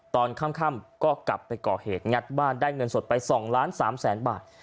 ตอนค่ำก็กลับไปก่อเหตุงัดบ้านได้เงินสดไป๒ล้าน๓แสนบาท